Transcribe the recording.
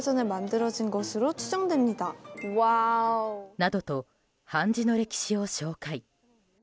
などと、韓紙の歴史を紹介。